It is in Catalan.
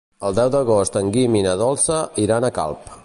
El deu d'agost en Guim i na Dolça iran a Calp.